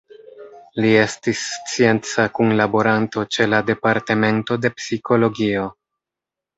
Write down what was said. Li estis scienca kunlaboranto ĉe la Departemento de Psikologio.